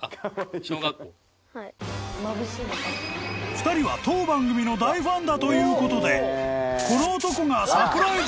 ［２人は当番組の大ファンだということでこの男が］